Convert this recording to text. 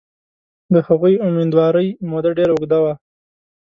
د هغوی امیندوارۍ موده ډېره اوږده وه.